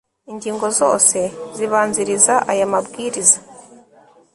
ingingo zose zibanziriza aya mabwiriza